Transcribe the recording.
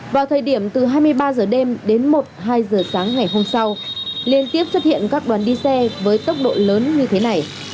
vào thời điểm từ hai mươi ba h đêm đến một hai h sáng ngày hôm sau liên tiếp xuất hiện các đoàn đi xe với tốc độ lớn như thế này